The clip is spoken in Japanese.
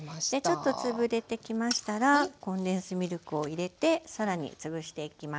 ちょっと潰れてきましたらコンデンスミルクを入れて更に潰していきます。